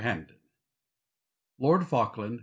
HAMPDEN. Lord Falkland.